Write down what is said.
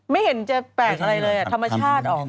ไม่เห็นจะแปลกอะไรเลยธรรมชาติออก